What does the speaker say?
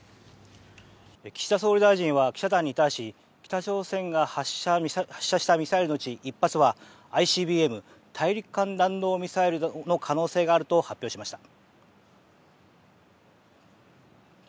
岸田総理大臣は記者団に対し北朝鮮が発射したミサイルのうち１発はＩＣＢＭ・大陸間弾道ミサイルの可能性があると発表しました。